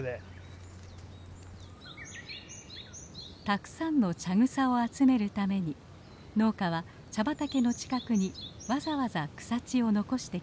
たくさんの茶草を集めるために農家は茶畑の近くにわざわざ草地を残してきました。